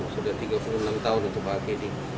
sudah tiga puluh enam tahun untuk pak teddy